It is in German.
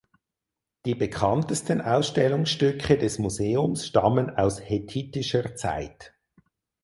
Die bekanntesten Ausstellungsstücke des Museums stammen aus hethitischer Zeit.